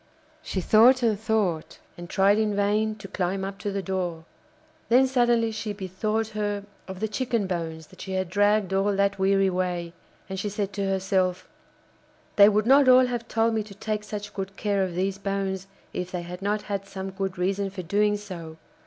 She thought and thought, and tried in vain to climb up to the door. Then suddenly she be thought her of the chicken bones that she had dragged all that weary way, and she said to herself: 'They would not all have told me to take such good care of these bones if they had not had some good reason for doing so.